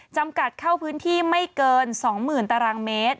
จำกัดเข้าพื้นที่ไม่เกิน๒๐๐๐ตารางเมตร